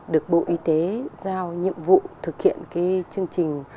được bộ y tế giao nhiệm vụ thực hiện chương trình